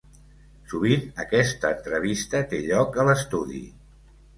Sovint aquesta entrevista té lloc a l'estudi.